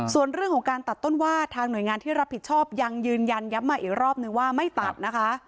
ส่วนเรื่องของการตัดต้นว่าทางหน่วยงานที่รับผิดชอบยังยืนยันย้ำมาอีกรอบนึงว่าไม่ตัดนะคะ